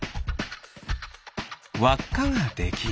わっかができる。